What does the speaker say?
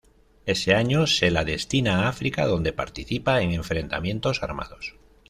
Ese año se le destina a África donde participa en enfrentamientos armados.